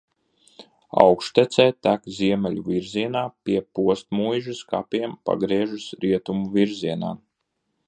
Augštecē tek ziemeļu virzienā, pie Postmuižas kapiem pagriežas rietumu virzienā.